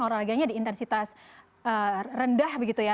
olahraganya di intensitas rendah begitu ya